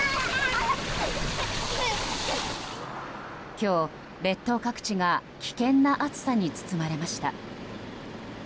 今日、列島各地が危険な暑さに包まれました。